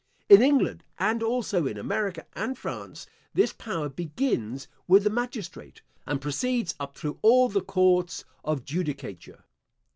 In England, and also in America and France, this power begins with the magistrate, and proceeds up through all the courts of judicature.